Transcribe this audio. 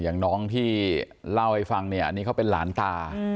อย่างน้องที่เล่าให้ฟังเนี่ยอันนี้เขาเป็นหลานตา